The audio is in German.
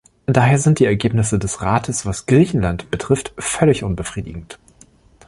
Daher sind die Ergebnisse des Rates, was Griechenland betrifft, völlig unbefriedigend.